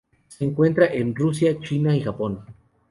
Se encuentra en Rusia, China y Japón.